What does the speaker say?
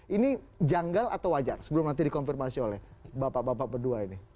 ini janggal atau wajar sebelum nanti dikonfirmasi oleh bapak bapak berdua ini